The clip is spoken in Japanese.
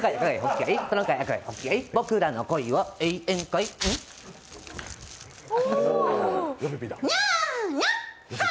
僕らの恋は永遠かい？